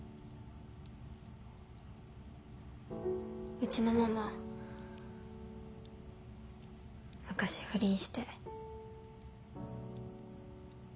うちのママ昔不倫して。